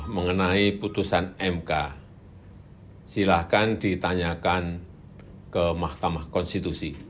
mengenai putusan mk silahkan ditanyakan ke mahkamah konstitusi